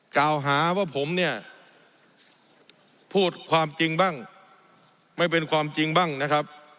กล่าวหาว่าผมเนี่ยพูดความจริงบ้างไม่เป็นความจริงบ้างนะครับ